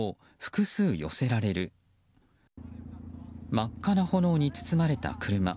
真っ赤な炎に包まれた車。